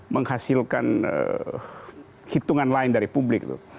menghasilkan hitungan lain dari publik